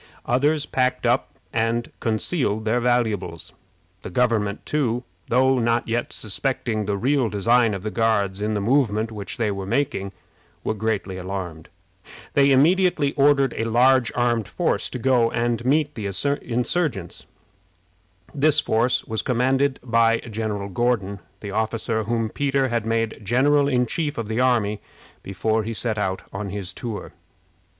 Others packed up and concealed their valuables. The government, too, though not yet suspecting the real design of the Guards in the movement which they were making, were greatly alarmed. They immediately ordered a large armed force to go and meet the insurgents. This force was commanded by General Gordon, the officer whom Peter had made general in chief of the army before he set out on his tour.